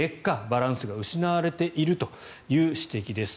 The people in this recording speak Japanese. バランスが失われているという指摘です。